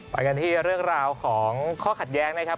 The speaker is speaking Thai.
ไปกันที่เรื่องราวของข้อขัดแย้งนะครับ